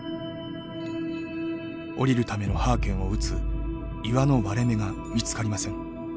下りるためのハーケンを打つ岩の割れ目が見つかりません。